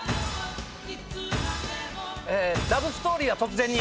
ラブ・ストーリーは突然に。